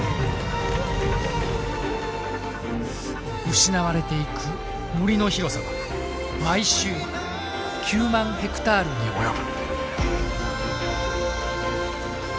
失われていく森の広さは毎週９万ヘクタールに及ぶ。